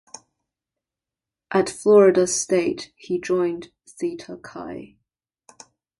At Florida State he joined Theta Chi.